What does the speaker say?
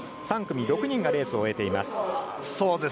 ３組、６人がレースを終えています。